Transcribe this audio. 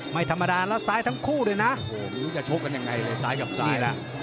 ไม่ธรรมดาแล้วซ้ายทั้งคู่เลยนะโอ้โหจะชกกันยังไงเลยซ้ายกับซ้ายแล้ว